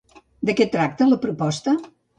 De què tracta la proposta?